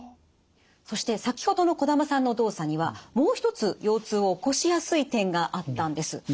そして先ほどの児玉さんの動作にはもう一つ腰痛を起こしやすい点があったんです。